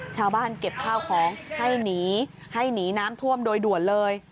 ชาวบ้านเก็บข้าวของให้หนีให้หนีน้ำท่วมโดยด่วนเลย